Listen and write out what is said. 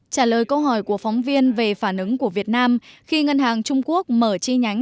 trả lời câu hỏi của phóng viên về phản ứng của việt nam khi ngân hàng trung quốc mở chi nhánh